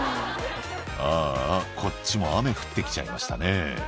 「ああこっちも雨降って来ちゃいましたね」